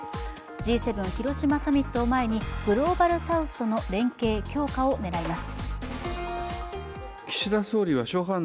Ｇ７広島サミットを前にグローバルサウスとの連携強化を狙います。